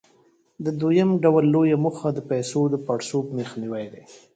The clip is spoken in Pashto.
د دویم ډول لویه موخه د پیسو د پړسوب مخنیوى دی.